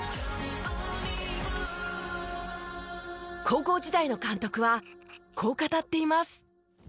高校時代の監督はこう語っています。